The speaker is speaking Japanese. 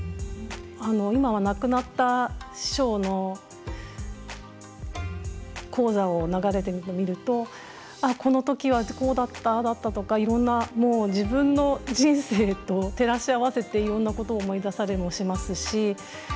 今は亡くなった師匠の高座を流れてるのを見るとああ、このときはこうだったああだったとかいろんな、もう自分の人生と照らし合わせていろんなことを思い出されもしますし。